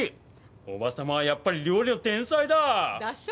叔母様はやっぱり料理の天才だ！だしょ？